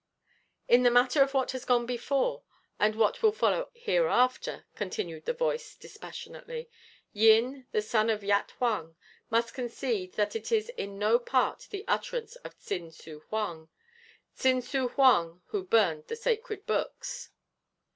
"In the matter of what has gone before, and that which will follow hereafter," continued the Voice dispassionately, "Yin, the son of Yat Huang, must concede that it is in no part the utterance of Tsin Su Hoang Tsin Su Hoang who burned the Sacred Books."